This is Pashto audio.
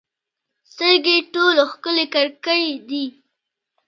سترګې ټولو ښکلې کړکۍ دي.